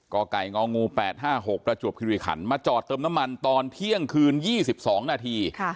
กไก่งองู๘๕๖ประจวบคิริขันมาจอดเติมน้ำมันตอนเที่ยงคืน๒๒นาที